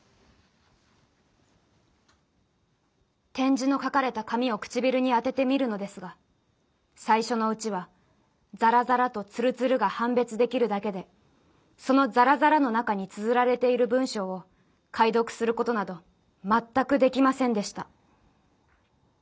「点字の書かれた紙を唇に当ててみるのですが最初のうちはザラザラとツルツルが判別できるだけでそのザラザラの中に綴られている文章を解読することなどまったくできませんでした」。